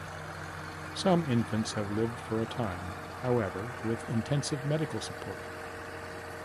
Some infants have lived for a time, however, with intensive medical support.